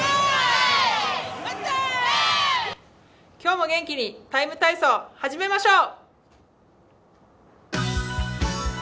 今日も元気に「ＴＩＭＥ，体操」始めましょう！